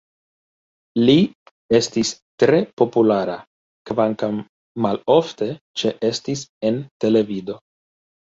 Li estis tre populara, kvankam malofte ĉeestis en televido.